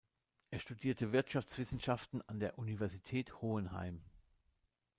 Er studierte Wirtschaftswissenschaften an der Universität Hohenheim.